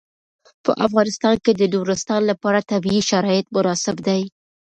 په افغانستان کې د نورستان لپاره طبیعي شرایط مناسب دي.